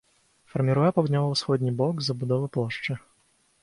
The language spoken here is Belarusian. Фарміруе паўднёва-ўсходні бок забудовы плошчы.